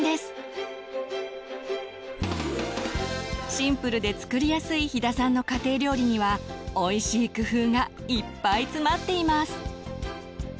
シンプルで作りやすい飛田さんの家庭料理にはおいしい工夫がいっぱい詰まっています。